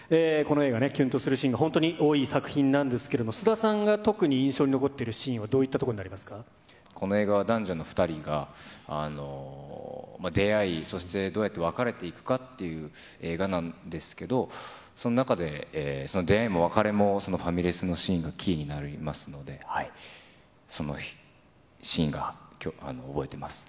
この映画ね、きゅんとするシーンが本当に多い作品なんですけれども、菅田さんが特に印象に残っているシーンはどういったところになりこの映画は、男女の２人が、出会い、そしてどうやって別れていくかっていう映画なんですけど、その中で、出会いも別れも、そのファミレスのシーンがキーになりますので、そのシーンが覚え